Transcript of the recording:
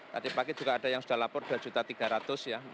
tadi pagi juga ada yang sudah lapor dua tiga ratus ya